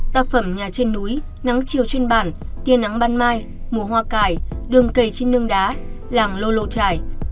tác phẩm nhà trên núi nắng chiều trên bản tiên nắng ban mai mùa hoa cải đường cầy trên nương đá làng lô lô trải